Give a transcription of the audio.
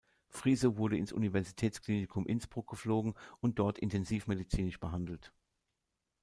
Friso wurde ins Universitätsklinikum Innsbruck geflogen und dort intensivmedizinisch behandelt.